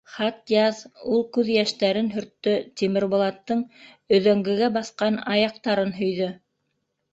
Хат яҙ, — ул күҙ йәштәрен һөрттө, Тимербулаттың өҙәңгегә баҫҡан аяҡтарын һөйҙө.